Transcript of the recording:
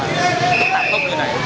tại gốc như thế này